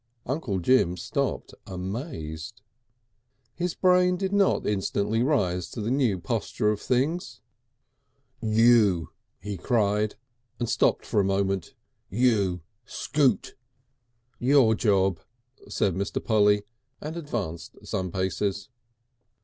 Uncle Jim stopped amazed. His brain did not instantly rise to the new posture of things. "You!" he cried, and stopped for a moment. "You scoot!" "Your job," said Mr. Polly, and advanced some paces.